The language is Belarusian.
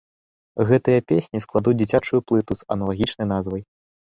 Гэтыя песні складуць дзіцячую плыту з аналагічнай назвай.